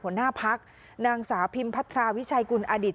หัวหน้าพักนางสาวพิมพัทราวิชัยกุลอดิต